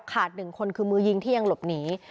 หนึ่งคนคือมือยิงที่ยังหลบหนี